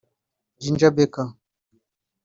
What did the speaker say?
Ginger Beker